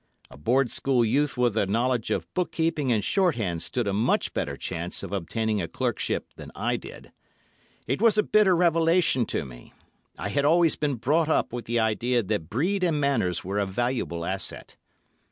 A board school youth with a knowledge of book keeping and shorthand stood a much better chance of obtaining a clerkship than I did. It was a bitter revelation to me. I had always been brought up with the idea that breed and manners were a valuable asset.